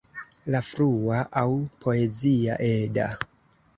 La frua aŭ Poezia Edda.